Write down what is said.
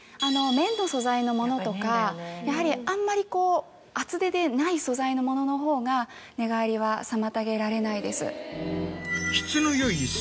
綿の素材のものとかやはりあんまりこう厚手でない素材のもののほうが寝返りは妨げられないです。